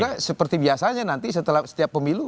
karena seperti biasanya nanti setelah setiap pemilu